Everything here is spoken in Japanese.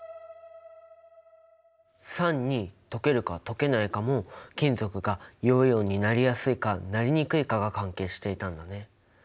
酸に溶けるか溶けないかも金属が陽イオンになりやすいかなりにくいかが関係していたんだね。